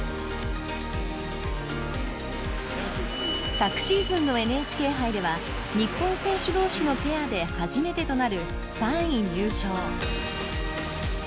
昨シーズンのＮＨＫ杯では日本選手同士のペアで初めてとなる３位入賞。